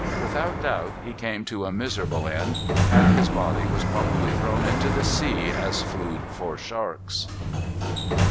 Without doubt, he came to a miserable end; and his body was probably thrown into the sea as food for sharks.